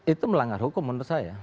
itu melanggar hukum menurut saya